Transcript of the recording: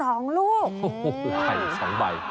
โอ้โหไข่๒ใบ